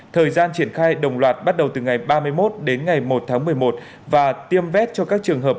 thời gian triển khai đồng loạt bắt đầu từ ngày ba mươi một đến ngày một tháng một mươi một và tiêm vét cho các trường hợp